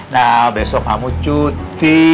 nah besok kamu cuti